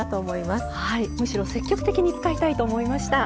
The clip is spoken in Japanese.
むしろ積極的に使いたいと思いました。